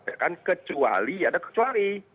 ya kan kecuali ada kecuali